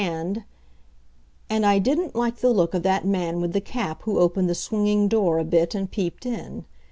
And And I didn't like the look of that man with the cap who opened the swinging door a bit and peeped in.